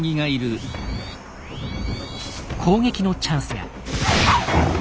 攻撃のチャンスが！